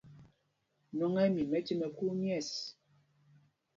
Nwɔŋ ɛ́ ɛ́ min mɛce mɛ kuu mƴɛ̂ɛs.